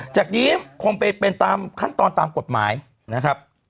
จากนี้คงไปเป็นตามขั้นตอนตามกฎหมายนะครับ